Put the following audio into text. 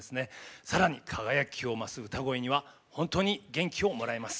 さらに輝きを増す歌声には本当に元気をもらえます。